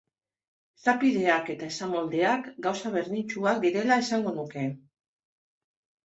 Esapideak eta esamoldeak gauza berdintsuak direla esango nuke.